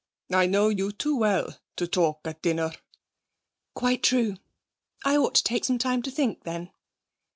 I know you too well to talk at dinner.' 'Quite true. I ought to take time to think then.'